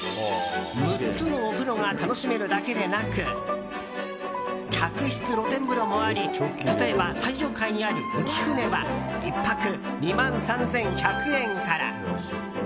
６つのお風呂が楽しめるだけでなく客室露天風呂もあり例えば、最上階にある浮舟は１泊２万３１００円から。